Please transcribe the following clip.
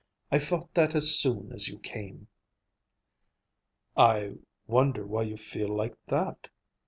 I felt that as soon as you came." "I wonder why you feel like that?"